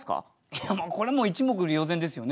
いやこれもう一目瞭然ですよね。